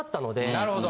なるほど。